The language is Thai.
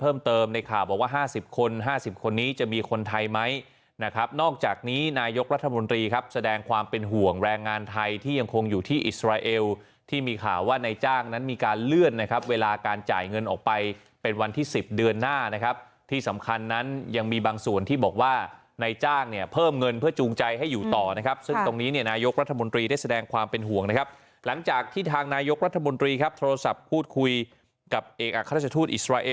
เพิ่มเติมในข่าวบอกว่าห้าสิบคนห้าสิบคนนี้จะมีคนไทยไหมนะครับนอกจากนี้นายกรัฐมนตรีครับแสดงความเป็นห่วงแรงงานไทยที่ยังคงอยู่ที่อิสราเอลที่มีข่าวว่าในจ้างนั้นมีการเลื่อนนะครับเวลาการจ่ายเงินออกไปเป็นวันที่สิบเดือนหน้านะครับที่สำคัญนั้นยังมีบางส่วนที่บอกว่าในจ้างเนี่ยเพิ่มเงิ